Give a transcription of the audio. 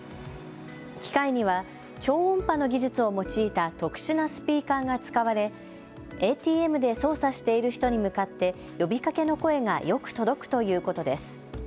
機械には超音波の技術を用いた特殊なスピーカーが使われ、ＡＴＭで操作している人に向かって呼びかけの声がよく届くということです。